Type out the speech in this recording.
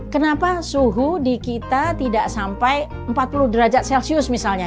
kenapa suhu di kita tidak sampai empat puluh derajat celcius misalnya